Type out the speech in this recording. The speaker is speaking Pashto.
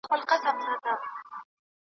ونې د باران سبب ګرځي.